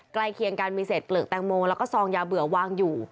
เคียงกันมีเศษเปลือกแตงโมแล้วก็ซองยาเบื่อวางอยู่